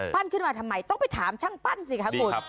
ขึ้นมาทำไมต้องไปถามช่างปั้นสิคะคุณ